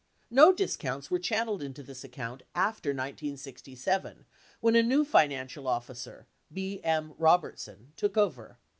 No discounts were channeled into this account after 1967 when a new finan cial officer, B. M. Robertson, took over.